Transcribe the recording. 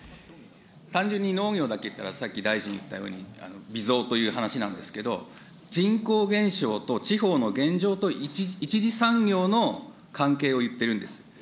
単純に農業だけ言ったら、さっき大臣も言ったように、微増という話なんですけれども、人口減少と地方の現状と一次産業の関係を言ってるんです。